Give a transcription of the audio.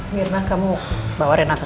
mirna kamu bawain atau kapan